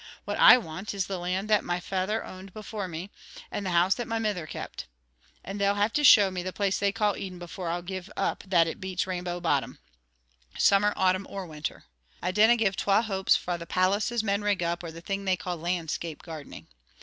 What I want is the land that my feyther owned before me, and the house that my mither kept. And they'll have to show me the place they call Eden before I'll give up that it beats Rainbow Bottom Summer, Autumn, or Winter. I dinna give twa hoops fra the palaces men rig up, or the thing they call 'landscape gardening'.